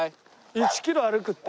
１キロ歩くって。